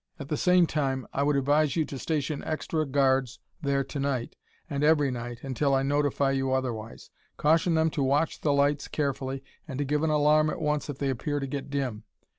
At the same time, I would advise you to station extra guards there to night and every night until I notify you otherwise. Caution them to watch the lights carefully and to give an alarm at once if they appear to get dim.